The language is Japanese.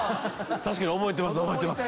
確かに覚えてます覚えてます。